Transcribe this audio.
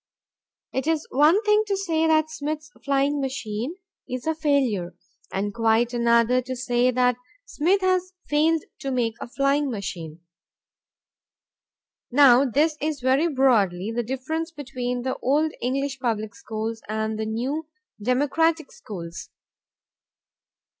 It is one thing to say that Smith's flying machine is a failure, and quite another to say that Smith has failed to make a flying machine. Now this is very broadly the difference between the old English public schools and the new democratic schools.